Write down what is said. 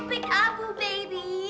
upik abu baby